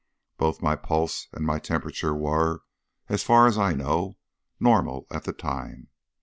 Both my pulse and my temperature were, as far as I know, normal at the time.